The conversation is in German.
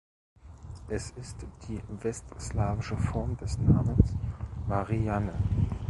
Es ist die westslawische Form des Namens Marianne.